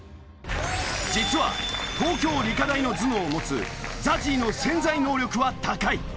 実は東京理科大の頭脳を持つＺＡＺＹの潜在能力は高い。